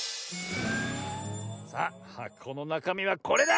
さあはこのなかみはこれだ！